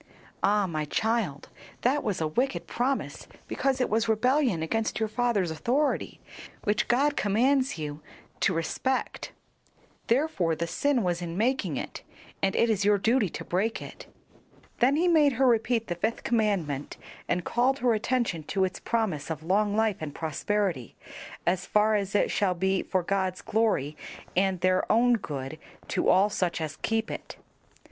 "Ah, my child, that was a wicked promise because it was rebellion against your father's authority, which God commands you to respect. Therefore the sin was in making it, and it is your duty to break it." Then he made her repeat the fifth commandment, and called her attention to its promise of long life and prosperity, as far as it shall be for God's glory and their own good, to all such as keep it.